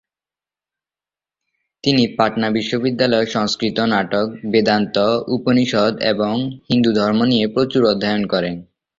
তিনি পাটনা বিশ্ববিদ্যালয়ে সংস্কৃত নাটক, বেদান্ত, উপনিষদ এবং হিন্দু ধর্ম নিয়ে প্রচুর অধ্যয়ন করেন।